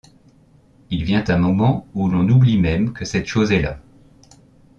Il vient un moment où l’on oublie même que cette chose est là.